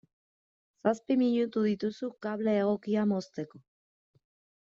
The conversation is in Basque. Zazpi minutu dituzu kable egokia mozteko.